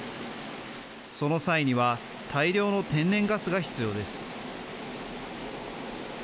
その際には大量の天然ガスが必要です。